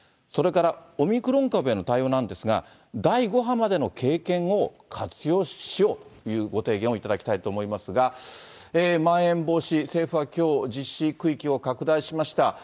それからオミクロン株への対応なんですが、第５波までの経験を活用しようというご提言をいただきたいと思いますが、まん延防止、政府はきょう、実施区域を拡大しました。